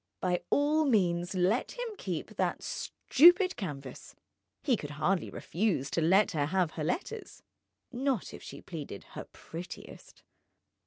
By all means, let him keep that stupid canvas; he could hardly refuse to let her have her letters, not if she pleaded her prettiest.